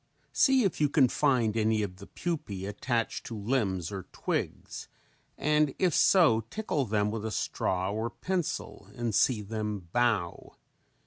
See if you can find any of the pupae attached to limbs or twigs and if so, tickle them with a straw or a pencil and see them "bow."